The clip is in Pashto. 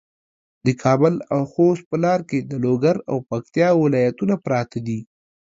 د کابل او خوست په لاره کې د لوګر او پکتیا ولایتونه پراته دي.